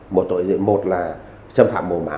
một là xâm phạm mồ mả